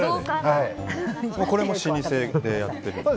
これも老舗でやっていると。